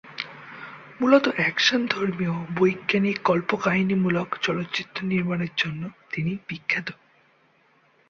মূলত অ্যাকশনধর্মী ও বৈজ্ঞানিক কল্পকাহিনীমূলক চলচ্চিত্র নির্মাণের জন্য তিনি বিখ্যাত।